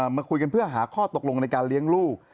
มาคุยกันเพื่อหาข้อตกลงในการเลี้ยงลูก